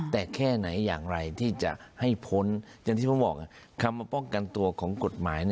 แต่แค่ไหนอย่างไรที่จะให้พ้นอย่างที่ผมบอกคำมาป้องกันตัวของกฎหมาย